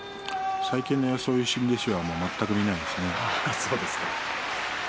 最近はそういう新弟子は全くいないですね。